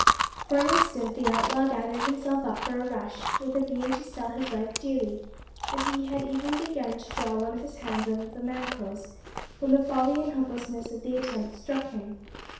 For an instant the outlaw gathered himself up for a rush, with a view to sell his life dearly, and he had even begun to draw one of his hands out of the manacles, when the folly and hopelessness of the attempt struck him.